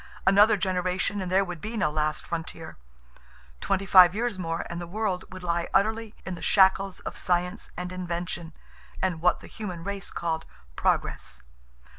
Another generation and there would be no last frontier. Twenty five years more and the world would lie utterly in the shackles of science and invention and what the human race called progress.